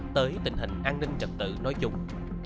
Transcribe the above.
tới tình hình an ninh trật tự nói chung